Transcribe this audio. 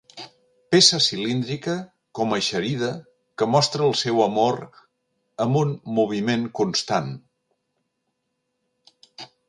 Peça cilíndrica com eixerida que mostra el seu amor amb un moviment constnat.